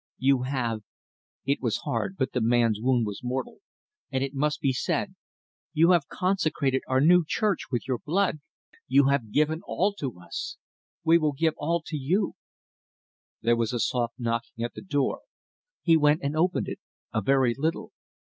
You have " it was hard, but the man's wound was mortal, and it must be said "you have consecrated our new church with your blood. You have given all to us; we will give all to you " There was a soft knocking at the door. He went and opened it a very little.